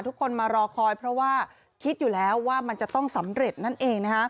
ทุกคนมารอคอยเพราะว่าคิดอยู่แล้วว่ามันจะต้องสำเร็จนั่นเอง